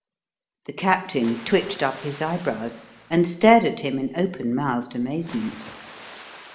The Captain twitched up his eyebrows and stared at him in open mouthed amazement.